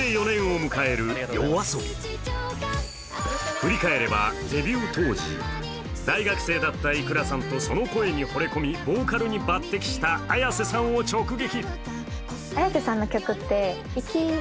振り返ればデビュー当時、大学生だったｉｋｕｒａさんと、その声に惚れ込みボーカルに抜てきしたＡｙａｓｅさんを直撃。